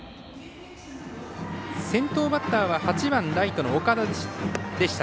先頭バッターは８番ライトの岡田でした。